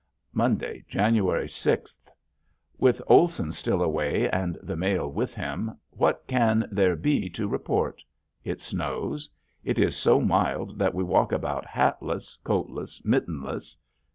Monday, January sixth. With Olson still away and the mail with him what can there be to report. It snows. It is so mild that we walk about hatless, coatless, mittenless.